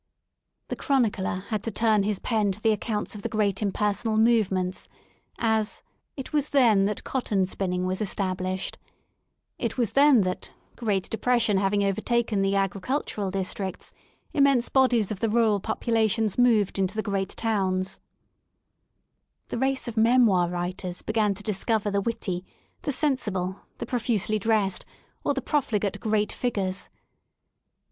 The Chronicler had to turn his pen to the accounts of the great impersonal movements, as: *'It was then 162 4 4 4 4 ^ma^ REST IN LONDON that cotton spinning was established"; *'Itwas then thatj great depression having overtaken the agricul tural districts, immense bodies of the rural populations moved into the great towns," The race of memoir writers began to discover the witty, the sensible, the profusely dressed, or the profligate Great Figures.